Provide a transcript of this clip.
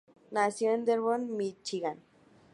Nació en Dearborn, Michigan.